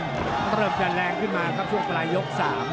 เริ่มจะแรงขึ้นมาครับช่วงปลายยก๓